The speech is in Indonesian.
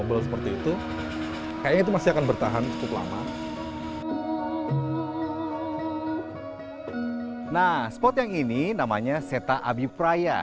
babel seperti itu kayaknya itu masih akan bertahan cukup lama nah spot yang ini namanya seta abipraya